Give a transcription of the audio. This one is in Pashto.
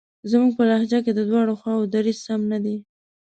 زموږ په لهجه کې د دواړو خواوو دریځ سم نه دی.